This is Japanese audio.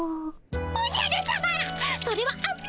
おじゃるさま！